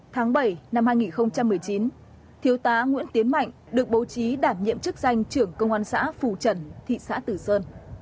tháng bảy năm hai nghìn một mươi chín thiếu tá nguyễn tiến mạnh được bố trí đảm nhiệm chức danh trưởng công an xã phù trần thị xã tử sơn